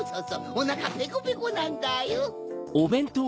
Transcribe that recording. おなかペコペコなんだよ。